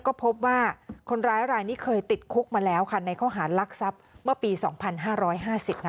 ก็พบว่าคนร้ายรายนี้เคยติดคุกมาแล้วค่ะในข้อหารลักทรัพย์เมื่อปี๒๕๕๐ค่ะ